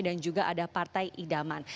dan juga ada partai idaman